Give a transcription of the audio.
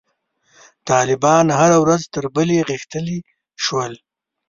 طالبان هره ورځ تر بلې غښتلي شول.